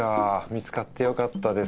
見つかってよかったです。